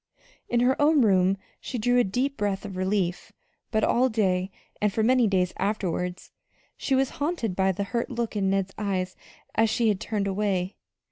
In her own room she drew a deep breath of relief; but all day, and for many days afterward, she was haunted by the hurt look in Ned's eyes as she had turned away.